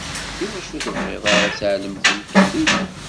Iwacu ur tebɣiḍ ara ad teεlem tmeṭṭut-ik?